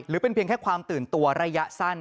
เป็นเพียงแค่ความตื่นตัวระยะสั้น